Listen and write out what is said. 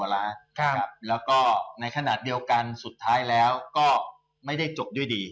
แล้วก็ในขณะเดียวกันสุดท้ายแล้วก็ไม่ได้จบด้วยดี